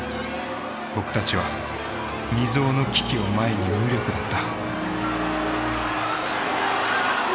僕たちは未曽有の危機を前に無力だった。